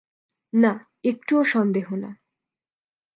না, একটুও সন্দেহ না।